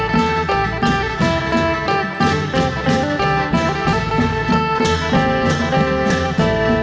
กรรมพระนายค่าเก่งสุขอย่างเที่ยวฟ้า